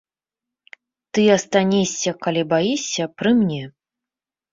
Ты астанешся, калі баішся, пры мне.